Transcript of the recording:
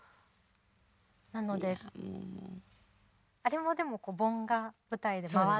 なのであれもでも盆が舞台で回って。